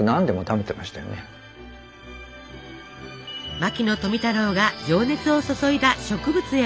牧野富太郎が情熱を注いだ植物への思い。